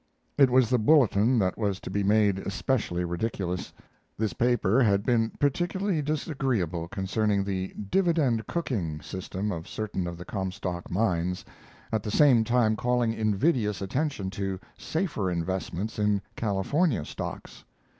It was the Bulletin that was to be made especially ridiculous. This paper had been particularly disagreeable concerning the "dividend cooking" system of certain of the Comstock mines, at the same time calling invidious attention to safer investments in California stocks.